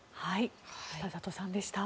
北里さんでした。